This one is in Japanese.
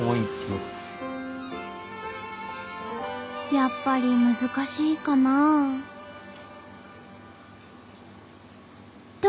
やっぱり難しいかな？と